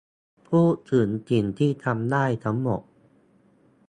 พูดถึงสิ่งที่ทำได้ทั้งหมด